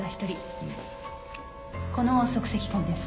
この足跡痕です。